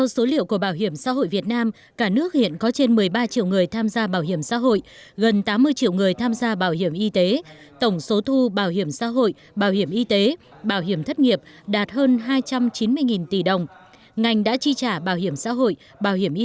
du lịch việt với nguy cơ thua ngay trên sân nhà